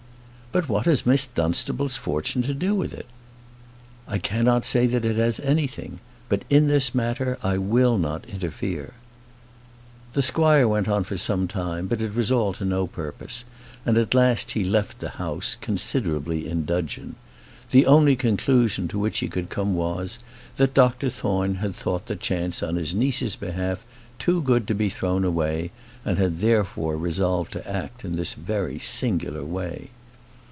"But what has Miss Dunstable's fortune to do with it?" "I cannot say that it has anything; but, in this matter, I will not interfere." The squire went on for some time, but it was all to no purpose; and at last he left the house, considerably in dudgeon. The only conclusion to which he could come was, that Dr Thorne had thought the chance on his niece's behalf too good to be thrown away, and had, therefore, resolved to act in this very singular way.